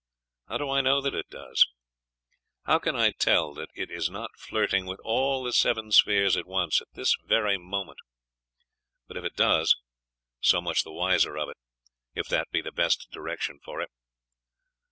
.... How do I know that it does? How can I tell that it is not flirting with all the seven spheres at once, at this moment? But if it does so much the wiser of it, if that be the best direction for it.